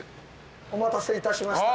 お待たせいたしました。